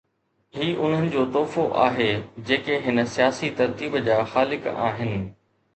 هي انهن جو تحفو آهي جيڪي هن سياسي ترتيب جا خالق آهن.